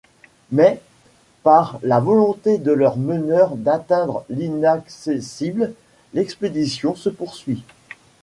Mais, par la volonté de leur meneur d'atteindre l'inaccessible, l'expédition se poursuit.